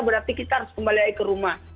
berarti kita harus kembali lagi ke rumah